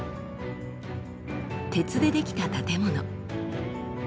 鉄で出来た建物。